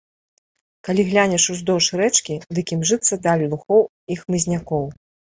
Калі глянеш уздоўж рэчкі, дык імжыцца даль лугоў і хмызнякоў.